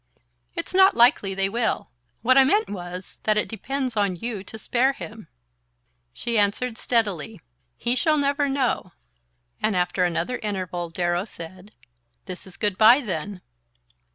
"It's not likely they will. What I meant was, that it depends on you to spare him..." She answered steadily: "He shall never know," and after another interval Darrow said: "This is good bye, then."